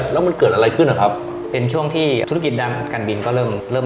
แล้วมันเกิดอะไรขึ้นนะครับเป็นช่วงที่ธุรกิจด้านการบินก็เริ่มเริ่ม